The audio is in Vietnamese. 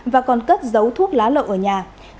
và còn cất giấu thuốc lá lậu ở nhà